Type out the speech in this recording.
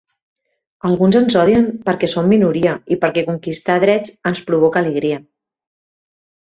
Alguns ens odien perquè som minoria i perquè conquistar drets ens provoca alegria.